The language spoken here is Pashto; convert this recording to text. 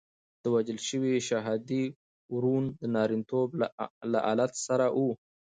د وژل شوي شهادي ورون د نارینتوب له آلت سره وو.